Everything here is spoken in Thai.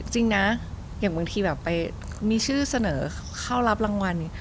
จริงนะอย่างบางทีแบบไปมีชื่อเสนอเข้ารับรางวัล